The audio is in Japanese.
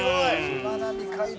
しまなみ海道。